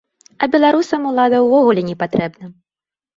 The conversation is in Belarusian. А беларусам улада ўвогуле не патрэбна.